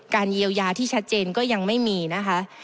เยียวยาที่ชัดเจนก็ยังไม่มีนะคะ